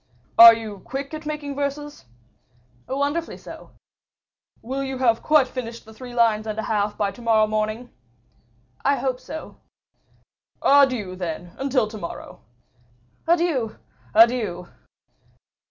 "Are you quick at making verses?" "Wonderfully so." "Will you have quite finished the three lines and a half to morrow morning?" "I hope so." "Adieu, then, until to morrow." "Adieu, adieu!"